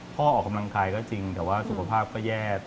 ออกกำลังกายก็จริงแต่ว่าสุขภาพก็แย่